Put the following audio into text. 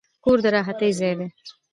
کور د راحتي ځای دی.